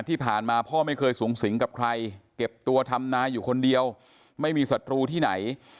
ที่ผ่านมาพ่อไม่เคยสูงสิงกับใครเก็บตัวทำนาอยู่คนเดียวไม่มีศัตรูที่ไหน